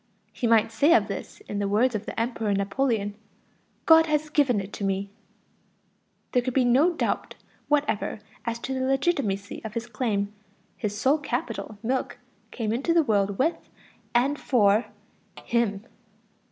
He might say of this in the words of the Emperor Napoleon: "God has given it to me." There can be no doubt whatever as to the legitimacy of his claim; his sole capital, milk, came into the world with and for him.